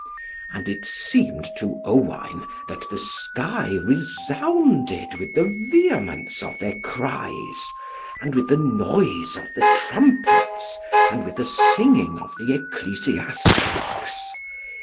And it seemed to Owain that the sky resounded with the vehemence of their cries, and with the noise of the trumpets, and with the singing of the ecclesiastics.